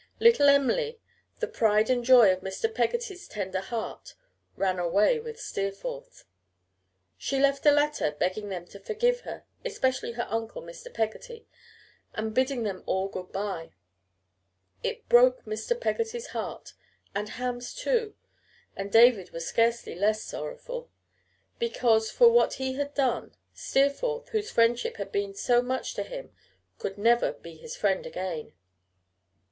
Little Em'ly, the pride and joy of Mr. Peggotty's tender heart, ran away with Steerforth. She left a letter, begging them to forgive her, especially her uncle, Mr. Peggotty and bidding them all good by. It broke Mr. Peggotty's heart, and Ham's, too. And David was scarcely less sorrowful. Because, for what he had done, Steerforth, whose friendship had been so much to him, could never be his friend again.